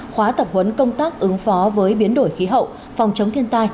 khóa tập huấn công tác ứng phó với biến đổi khí hậu phòng chống thiên tai